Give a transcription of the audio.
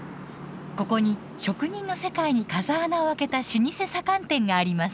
ここに職人の世界に風穴を開けた老舗左官店があります。